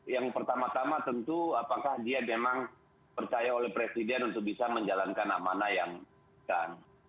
yang pertama tama tentu apakah dia memang percaya oleh presiden untuk bisa menjalankan amanah yang akan